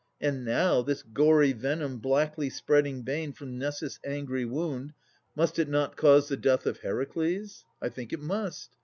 And now This gory venom blackly spreading bane From Nessus' angry wound, must it not cause The death of Heracles? I think it must.